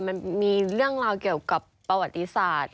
มันมีเรื่องราวเกี่ยวกับประวัติศาสตร์